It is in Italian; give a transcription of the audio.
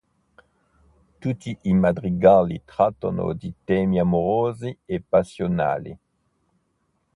Tutti i madrigali trattano di temi amorosi e passionali.